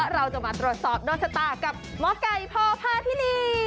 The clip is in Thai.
เราก็จะมาตรวจสอบดวงชะตากับมไก่พอพาพิญี่